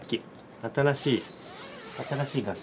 新しい新しい学期。